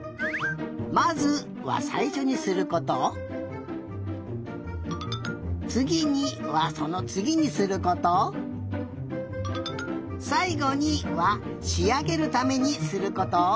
「まず」はさいしょにすることを「つぎに」はそのつぎにすること「さいごに」はしあげるためにすること。